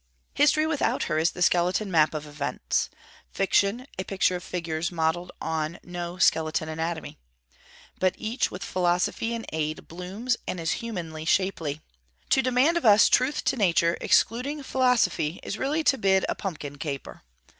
History without her is the skeleton map of events: Fiction a picture of figures modelled on no skeleton anatomy. But each, with Philosophy in aid, blooms, and is humanly shapely. To demand of us truth to nature, excluding Philosophy, is really to bid a pumpkin caper.